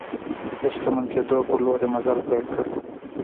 د شتمن کېدو په لور یې مزل پیل کړ.